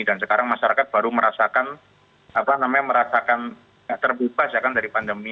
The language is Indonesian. dan sekarang masyarakat baru merasakan apa namanya merasakan terbebas ya kan dari pandemi